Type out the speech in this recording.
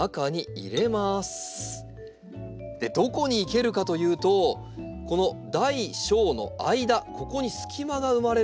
どこに生けるかというとこの大小の間ここに隙間が生まれるんです。